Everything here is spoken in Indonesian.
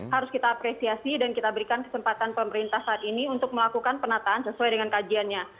harus kita apresiasi dan kita berikan kesempatan pemerintah saat ini untuk melakukan penataan sesuai dengan kajiannya